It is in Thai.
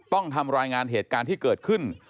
ต้องทำรายงานเหตุการณ์ที่เกิดขึ้น